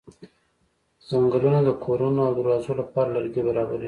څنګلونه د کورونو او دروازو لپاره لرګي برابروي.